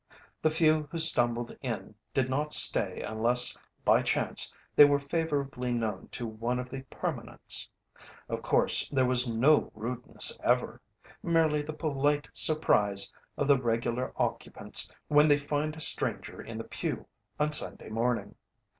The few who stumbled in did not stay unless by chance they were favourably known to one of the "permanents." Of course there was no rudeness ever merely the polite surprise of the regular occupants when they find a stranger in the pew on Sunday morning.